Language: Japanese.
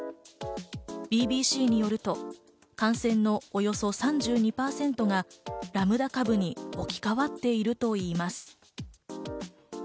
ＢＢＣによると感染のおよそ３２％がラムダ株に置き変わっているといいます。